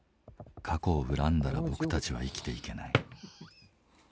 過去を恨んだら僕たちは生きていけない」。